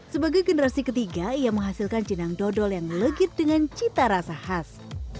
sebagai generasi ketiga ia menghasilkan jenang dodol yang legit dengan cita rasa khas